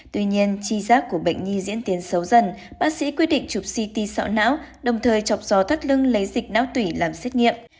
tuy nhiên chi giác của bệnh nhi diễn tiến xấu dần bác sĩ quyết định chụp ct sọ não đồng thời chọc gió thắt lưng lấy dịch não tủy làm xét nghiệm